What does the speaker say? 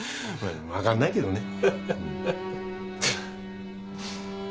分かんないけどね。